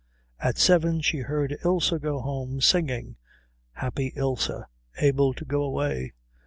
At seven she heard Ilse go home singing happy Ilse, able to go away.